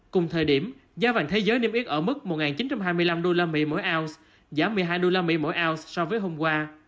cùng thời điểm giá vàng thế giới niêm yết ở mức một chín trăm hai mươi năm usd mỗi ounce giá một mươi hai usd mỗi ounce so với hôm qua